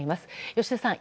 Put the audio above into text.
吉田さん